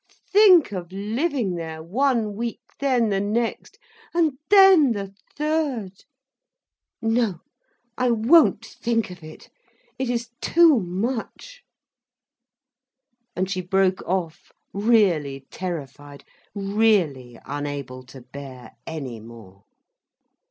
Think of living there, one week, then the next, and then the third— "No, I won't think of it—it is too much—" And she broke off, really terrified, really unable to bear any more.